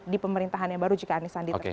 di pemerintahan yang baru jika anisandi terpilih